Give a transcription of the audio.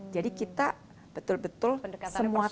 jadi kita betul betul semua track